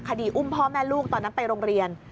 คดีอุ้มพ่อแม่ลูกตอนนั้นไปโรงเรียน